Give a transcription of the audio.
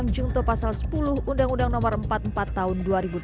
jungto pasal sepuluh undang undang no empat puluh empat tahun dua ribu delapan